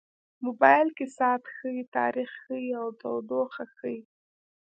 موبایل کې ساعت ښيي، تاریخ ښيي، او تودوخه ښيي.